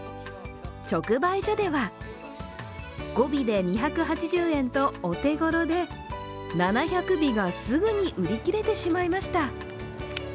直売所では５尾で２８０円とお手頃で７００尾がすぐに売り切れてしまいました。